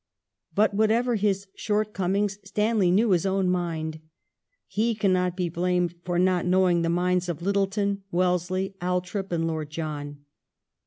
But whatever his shortcomings Stanley knew his own mind. He cannot be blamed for not knowing the minds of Littleton, Wellesley, Althorp, and Lord John.